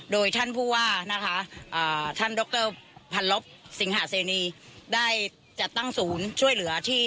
โดยท่านผู้ว่านะคะท่านดรพันลบสิงหาเสนีได้จัดตั้งศูนย์ช่วยเหลือที่